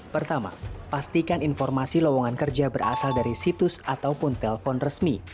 pertama pastikan informasi lowongan kerja berasal dari situs ataupun telpon resmi